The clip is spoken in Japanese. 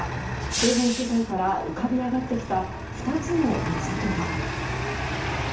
周辺取材から浮かび上がってきた２つの謎とは。